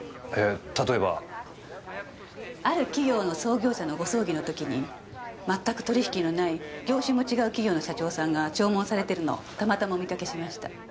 例えば？ある企業の創業者のご葬儀の時にまったく取引のない業種も違う企業の社長さんが弔問されてるのをたまたまお見かけしました。